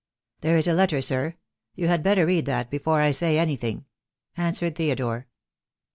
"There is a letter, sir. You had better read that before I say anything," answered Theodore.